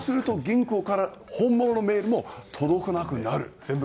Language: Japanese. そうすると、銀行から本物のメールも届かなくなる。